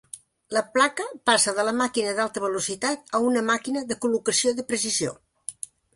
La placa passa de la màquina d'alta velocitat a una màquina de col·locació de precisió.